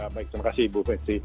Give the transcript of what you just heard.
baik terima kasih ibu festi